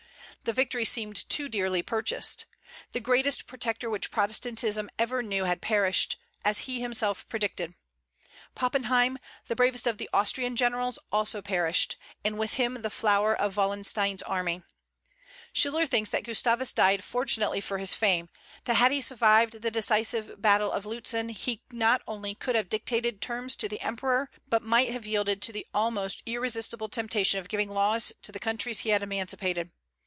The victory seemed too dearly purchased. The greatest protector which Protestantism ever knew had perished, as he himself predicted. Pappenheim, the bravest of the Austrian generals, also perished; and with him, the flower of Wallenstein's army. Schiller thinks that Gustavus died fortunately for his fame; that had he survived the decisive battle of Lutzen, he not only could have dictated terms to the Emperor, but might have yielded to the almost irresistible temptation of giving laws to the countries he had emancipated.